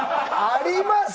あります？